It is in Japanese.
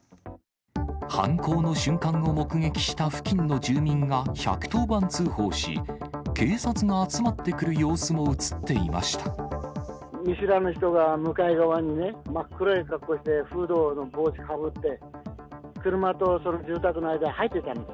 犯行の瞬間を目撃した付近の住民が１１０番通報し、警察が集まっ見知らぬ人が向かい側にね、真っ黒い格好をしてフードの帽子かぶって、車と住宅の間に入っていったんです。